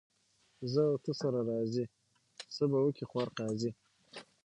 زه او ته سره راضي ، څه به وکي خوار قاضي.